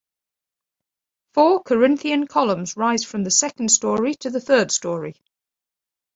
Four Corinthian columns rise from the second story to the third story.